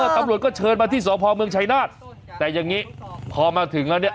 ตำรวจก็เชิญมาที่สพเมืองชายนาฏแต่อย่างนี้พอมาถึงแล้วเนี่ย